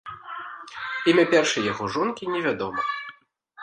Імя першай яго жонкі невядома.